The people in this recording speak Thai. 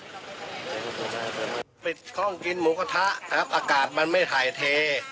ห้องกินหมูกระทะครับอากาศมันไม่ถ่ายเท